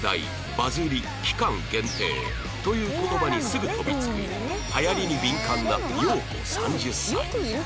「バズり」「期間限定」という言葉にすぐ飛びつく流行りに敏感な洋子３０歳